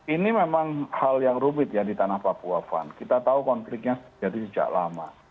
ini memang hal yang rumit ya di tanah papua van kita tahu konfliknya jadi sejak lama